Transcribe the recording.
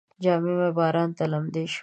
جامې مې باران ته لمدې شوې دي.